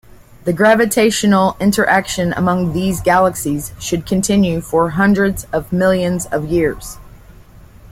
The gravitational interaction among these galaxies should continue for hundreds of millions of years.